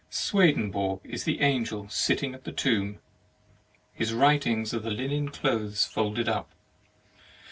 Swedenborg is the angel sitting at the tomb: his writings are the Unen clothes folded up.